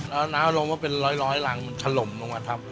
แล้วน้ำลงก็เป็นร้อยรังมันถล่มลงมาทับ